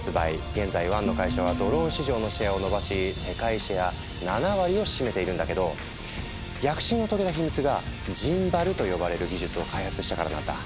現在ワンの会社はドローン市場のシェアを伸ばし世界シェア７割を占めているんだけど躍進を遂げた秘密がジンバルと呼ばれる技術を開発したからなんだ。